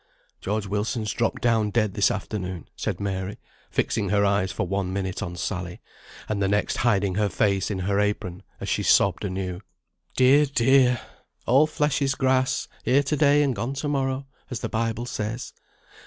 "George Wilson's dropped down dead this afternoon," said Mary, fixing her eyes for one minute on Sally, and the next hiding her face in her apron as she sobbed anew. "Dear, dear! All flesh is grass; here to day and gone to morrow, as the Bible says.